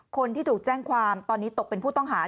คนที่ถูกแจ้งความตอนนี้ตกเป็นผู้ต้องหา